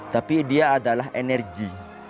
tapi dia adalah energi